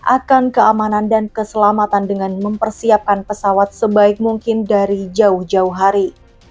akan keamanan dan keselamatan dengan mempersiapkan pesawat sebaik mungkin dari jauh jauh hari